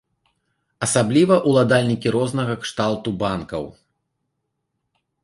Асабліва ўладальнікі рознага кшталту банкаў.